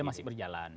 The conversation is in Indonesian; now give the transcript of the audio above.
ya masih berjalan